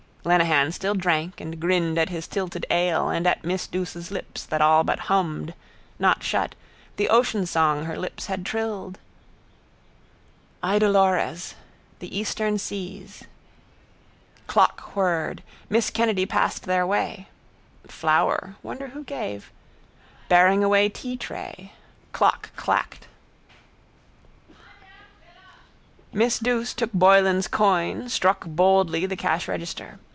Lenehan still drank and grinned at his tilted ale and at miss Douce's lips that all but hummed, not shut, the oceansong her lips had trilled. Idolores. The eastern seas. Clock whirred. Miss Kennedy passed their way (flower, wonder who gave), bearing away teatray. Clock clacked. Miss Douce took Boylan's coin, struck boldly the cashregister.